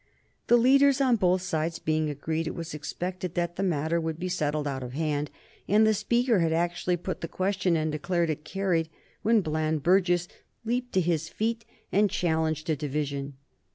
The leaders on both sides being agreed, it was expected that the matter would be settled out of hand, and the Speaker had actually put the question and declared it carried when Bland Burges leaped to his feet and challenged a division.